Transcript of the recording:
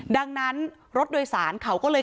ดังนั้นรถโดยสารเขาก็เลย